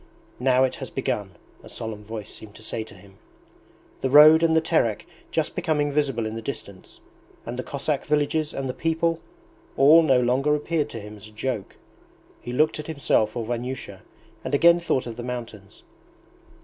'Now it has begun,' a solemn voice seemed to say to him. The road and the Terek, just becoming visible in the distance, and the Cossack villages and the people, all no longer appeared to him as a joke. He looked at himself or Vanyusha, and again thought of the mountains.